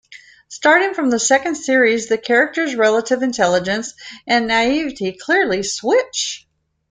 Starting from the second series, the character's relative intelligence and naivety clearly switch.